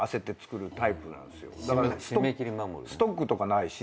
だからストックとかないし。